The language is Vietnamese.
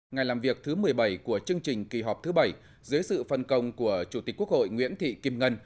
ngày làm việc thứ một mươi bảy của chương trình kỳ họp thứ bảy dưới sự phân công của chủ tịch quốc hội nguyễn thị kim ngân